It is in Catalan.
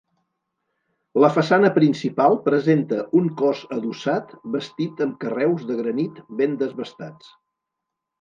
La façana principal presenta un cos adossat bastit amb carreus de granit ben desbastats.